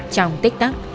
trong tích tắc